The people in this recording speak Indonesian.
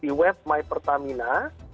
di web my pertamina